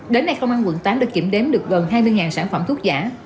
đến nay công an quận tám đã kiểm đếm được gần hai mươi sản phẩm thuốc giả